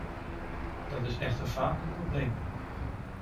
Dat is echter vaak een probleem.